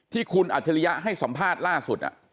ที่คุณอัจฉริยะให้สัมภาษณ์ล่าสุด